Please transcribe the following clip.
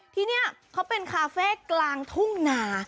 ที่นี่เขาเป็นคาเฟ่กลางทุ่งนา